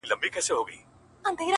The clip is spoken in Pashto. شمع كوچ سوه د محفل له ماښامونو،